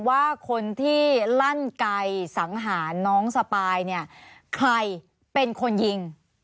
ว่าคนที่ลั่นไก่สังหารน้องสปายเนี่ยใครเป็นคนยิง